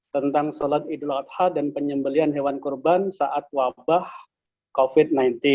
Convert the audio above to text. tentang sholat idul adha dan penyembelian hewan kurban saat wabah covid sembilan belas